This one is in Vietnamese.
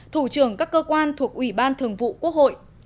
thủ trưởng các cơ quan thuộc ủy ban thường vụ quốc hội